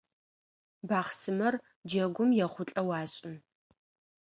Бахъсымэр джэгум ехъулӏэу ашӏы.